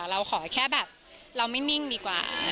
เราขอแค่แบบเราไม่นิ่งดีกว่า